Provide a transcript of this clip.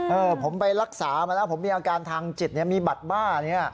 เออผมไปรักษาไหมนะผมมีอาการทางจิตมีบัตรบ้า